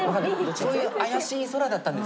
そういう怪しい空だったんです。